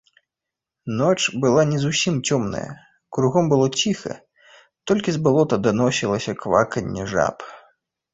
Ноч была не зусім цёмная, кругом было ціха, толькі з балота даносілася кваканне жаб.